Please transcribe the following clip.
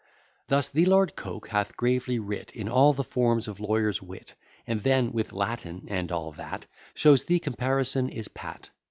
Thus the Lord Coke hath gravely writ, In all the form of lawyer's wit: And then, with Latin and all that, Shows the comparison is pat.